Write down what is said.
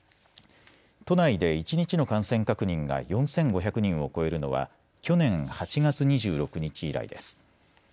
都内で一日の感染確認が４５００人を超えるのは去年８月２６日以来です。